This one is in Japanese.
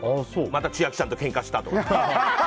また、千秋ちゃんとけんかしたとか。